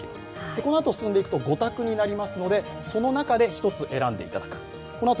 このあと進んでいくと５択になりますのでその中で１つ選んでいただく。